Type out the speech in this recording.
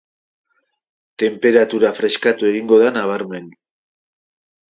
Tenperatura freskatu egingo da nabarmen.